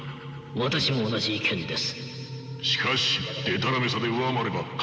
私も同じ意見です。